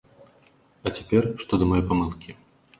А цяпер, што да маёй памылкі.